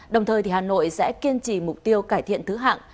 đồng thời hà nội sẽ kiên trì mục tiêu cải thiện thứ hạng